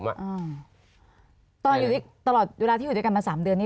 เมื่อกี่ตอนอยู่ที่ตลอดเวลาที่อยู่ด้วยกันมา๓เดือนนี้